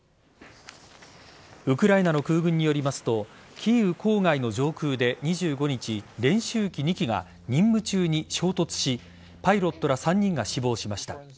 ウクライナの空軍によりますとキーウ郊外の上空で２５日練習機２機が任務中に衝突しパイロットら３人が死亡しました。